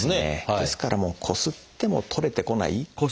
ですからもうこすっても取れてこない。